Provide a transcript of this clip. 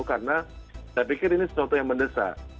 karena saya pikir ini sesuatu yang mendesak